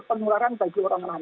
pengeluaran bagi orang lain